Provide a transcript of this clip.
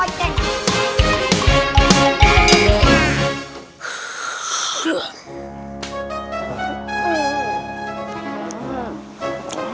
tadi udah kayak kemoceng